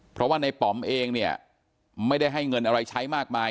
เพราะว่าในป๋อมเองเนี่ยไม่ได้ให้เงินอะไรใช้มากมาย